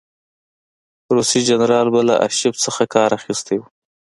روسي جنرال به له آرشیف څخه کار اخیستی وي.